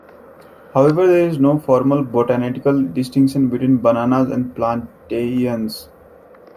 However, there is no formal botanical distinction between bananas and plantains.